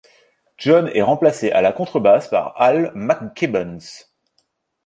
John est remplacé à la contrebasse par Al McKibbon.